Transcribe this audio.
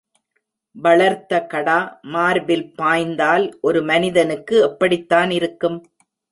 வளர்த்த கடா மார்பில் பாய்ந்தால், ஒரு மனிதனுக்கு எப்படித்தான் இருக்கும்!